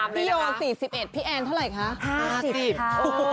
พี่โอ๔๑พี่แอนเท่าไหร่คะ